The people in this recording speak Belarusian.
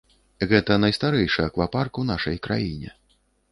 Гэта найстарэйшы аквапарк у нашай краіне.